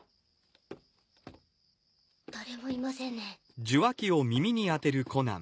誰もいませんね。